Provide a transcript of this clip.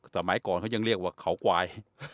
สมัยก่อนเขายังเรียกว่าเขาควาย